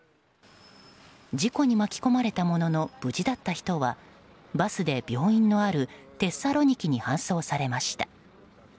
事故に巻き込まれたものの無事だった人はバスで病院のあるテッサロニキに搬送されました。